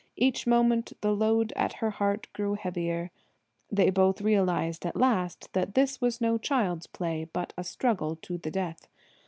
Each moment the load at her heart grew heavier. They both realized at last that this was no child's play but a struggle to the death.